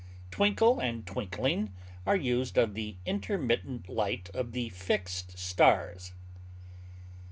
Twinkle and twinkling are used of the intermittent light of the fixed stars.